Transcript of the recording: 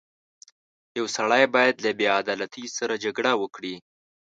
• یو سړی باید له بېعدالتۍ سره جګړه وکړي.